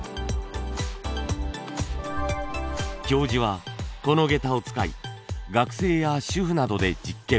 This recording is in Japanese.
教授はこの下駄を使い学生や主婦などで実験。